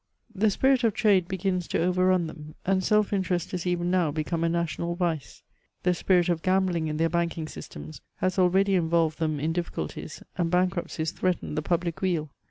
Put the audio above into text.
The spirit of trade begins to overrun them ; and self interest is even now become a national vice« The spirit of gambling ia their banking systems has already involved them in difficulties, and bankruptcies threaten the public weal.